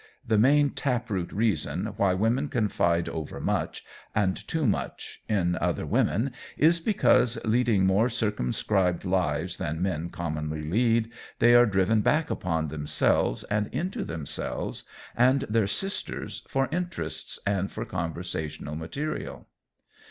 The main tap root reason why women confide over much and too much in other women is because leading more circumscribed lives than men commonly lead they are driven back upon themselves and into themselves and their sisters for interests and for conversational material.